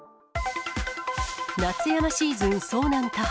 夏山シーズン遭難多発。